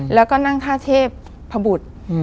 แล้วก็นั่งท่าเทพพบุตร